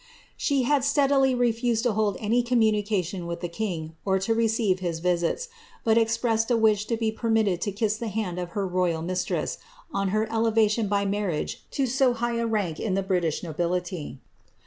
She had stem fused to hold any communication with the king, or to recc visits, but expressed a wish to be permitted to kiss the hand royal mistress, on licr clei'ation by marriage to so high a rank British nobility.